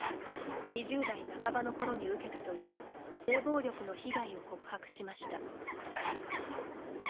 ２０代半ばのころに受けたという性暴力の被害を告白しました。